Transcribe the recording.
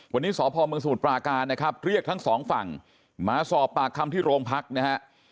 วันนี้สพเมืองสมุทรปราการนะครับเรียกทั้งสองฝั่งมาสอบปากคำที่โรงพักนะฮะ